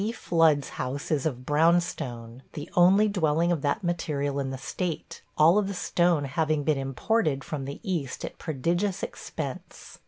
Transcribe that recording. Flood's house is of brown stone, the only dwelling of that material in the state, all of the stone having been imported from the East at prodigious expense.